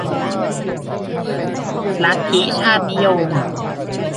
ลัทธิชาตินิยม